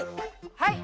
はい。